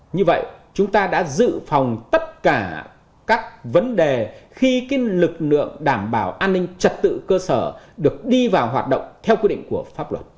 như vậy chúng ta đã dự phòng tất cả các vấn đề khi lực lượng đảm bảo an ninh trật tự cơ sở được đi vào hoạt động theo quy định của pháp luật